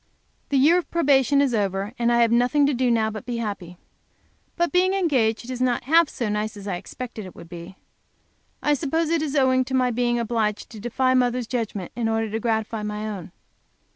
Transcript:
The year of probation is over, and I have nothing to do now but to be happy. But being engaged is not half so nice as I expected it would be. I suppose it is owing to my being obliged to defy mother's judgment in order to gratify my own.